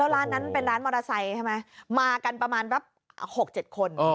แล้วร้านนั้นเป็นร้านมอเตอร์ไซค์ใช่ไหมมากันประมาณแบบหกเจ็ดคนอ๋อ